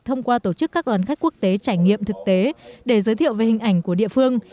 thông qua tổ chức các đoàn khách quốc tế trải nghiệm thực tế để giới thiệu về hình ảnh của địa phương